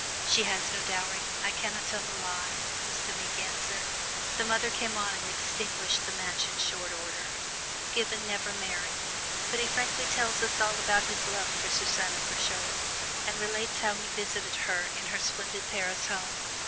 "She has no dowry! I can not tell a lie," was the meek answer. The mother came on and extinguished the match in short order. Gibbon never married. But he frankly tells us all about his love for Susanna Curchod, and relates how he visited her, in her splendid Paris home.